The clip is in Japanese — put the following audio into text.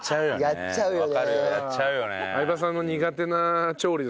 やっちゃうよね。